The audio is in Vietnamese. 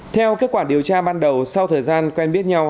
theo kết quả điều tra ban đầu sau thời gian quen biết nhau